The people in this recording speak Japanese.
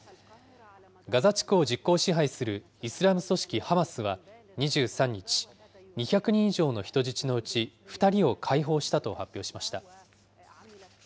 ガザ地区を実効支配するイスラム組織ハマスは、２３日、２００人以上の人質のうち２人を解放したと発表しました。